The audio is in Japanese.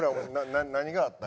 何があったん？